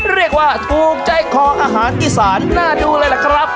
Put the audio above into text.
เรียกว่าภูมิใจครองอาหารกิจสารน่าดูเลยแหละครับ